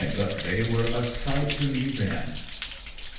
but they were a sight to me then!"